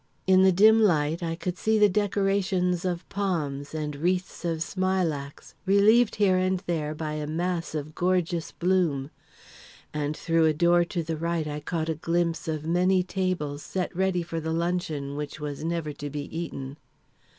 In the dim light, I could see the decorations of palms and wreaths of smilax, relieved here and there by a mass of gorgeous bloom, and through a door to the right I caught a glimpse of many tables, set ready for the luncheon which was never to be eaten.